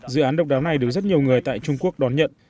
dự án độc đáo này được rất nhiều người tại trung quốc đón nhận